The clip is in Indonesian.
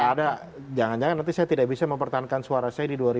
ada jangan jangan nanti saya tidak bisa mempertahankan suara saya di dua ribu dua puluh